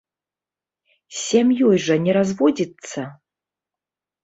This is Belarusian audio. З сям'ёй жа не разводзіцца!